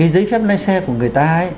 giấy phép lái xe của người ta